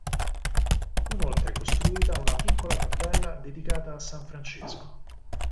Fu inoltre costruita una piccola cappella dedicata a San Francesco.